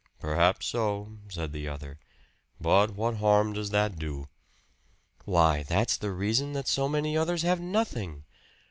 "Perhaps so," said the other. "But what harm does that do?" "Why that's the reason that so many others have nothing!